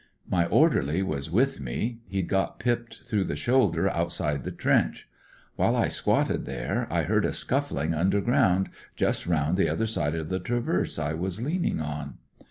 "My orderly was with me. He'd got pipped through the shoulder outside the trench. While I squatted there I heard a scuffling underground just round the other side of the traverse I was leaning on.